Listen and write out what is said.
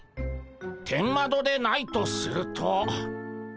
天窓でないとすると。